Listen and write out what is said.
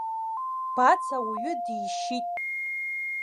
Баӡ ауаҩы дишьит.